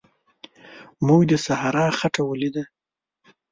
موږ د صحرا خټه ولیده.